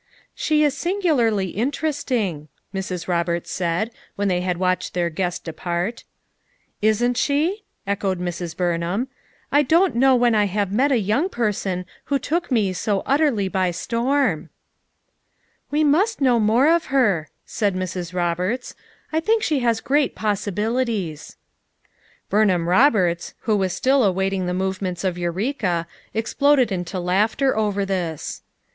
"She is singularly interesting, " Mrs. Roberts said, when they had watched their guest de part "Isn't she?" echoed Mrs. Burnham. "I don ? t know when I have met a young person who took me so utterly by storm." . u ~We must know more of her," said Mrs. 96 FOUR MOTHERS AT CHAUTAUQUA 97 Roberts. "I think she has great possibilities. " Burnham Roberts, who was still awaiting the movements of Eureka, exploded into laughter over this.